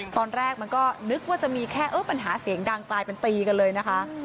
ตอนแรกมันก็นึกว่าจะมีแค่ปัญหาเสียงดังกลายเป็นตีกันเลยนะคะ